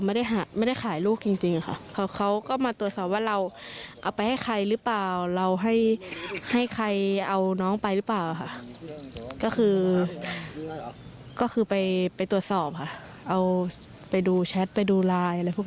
ไปหรือเปล่าค่ะก็คือก็คือไปไปตรวจสอบค่ะเอาไปดูแชทไปดูไลน์อะไรพวก